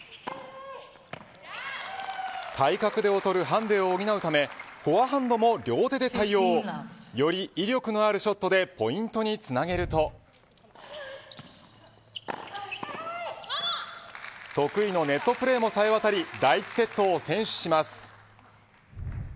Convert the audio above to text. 体格で劣るハンデを補うためフォアハンドも両手で対応より威力のあるショットでポイントにつなげると得意のネットプレーも冴え渡り第１セットを先取します。